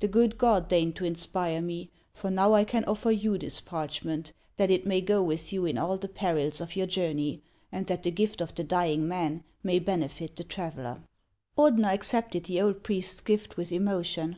The good God deigned to inspire rne, for now I can offer you this parchment, that it may go with you in all the perils of your journey, and that the gift of the dying man may benefit the traveller." Ordener accepted the old priest's gift with emotion.